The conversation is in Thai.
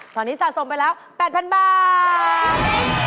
ตอนนี้สะสมไปแล้ว๘๐๐๐บาท